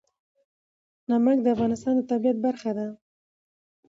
نمک د افغانستان د طبیعت برخه ده.